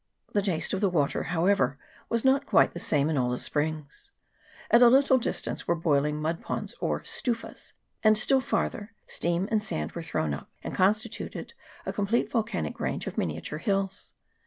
The taste of the water, however, was not quite the same in all the springs. At a little distance were boiling mud ponds, or stufas ; and still farther, steam and sand were thrown up, and constituted a com plete volcanic range of miniature hills.